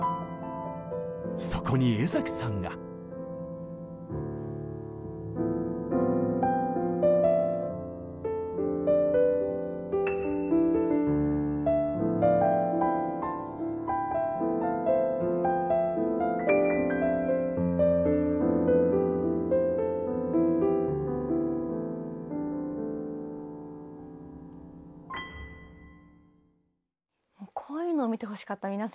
そこに江さんが。こういうのを見てほしかった皆さんに。